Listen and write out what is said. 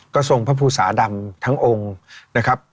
ก็ทรงพระภูสาดำทั้งองค์